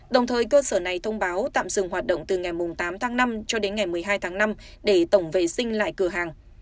đồng thời cơ sở này thông báo tạm dừng hoạt động từ ngày tám tháng năm cho đến ngày một mươi hai tháng năm để tổng vệ sinh lại cửa hàng